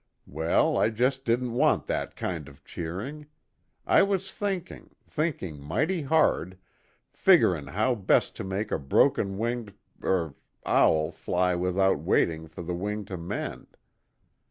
Well, I just didn't want that kind of cheering. I was thinking thinking mighty hard figgering how best to make a broken winged er owl fly without waiting for the wing to mend.